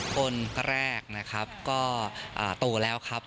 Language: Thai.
คนแรกนะครับก็โตแล้วครับ